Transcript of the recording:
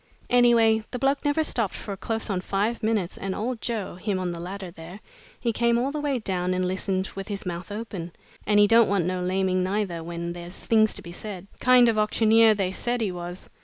Anyway, the bloke never stopped for close on five minutes, and old Joe him on the ladder there he came all the way down and listened with his mouth open, and he don't want no laming neither when there's things to be said. Kind of auctioneer they said he was.